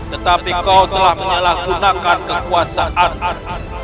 tetapi kau telah menyalahgunakan kekuasaan